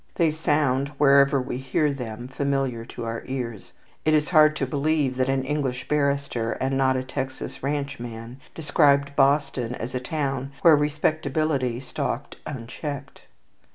They sound, wherever we hear them, familiar to our ears. It is hard to believe that an English barrister, and not a Texas ranch man, described Boston as a town where respectability stalked unchecked.